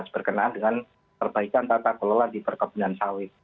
berkenaan dengan perbaikan tata kelola di perkebunan sawit